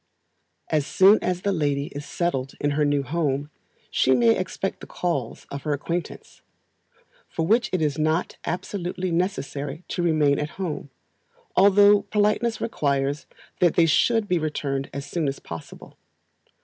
As soon as the lady is settled in her new home, she may expect the calls of her acquaintance; for which it is not absolutely necessary to remain at home, although politeness requires that they should be returned as soon as possible.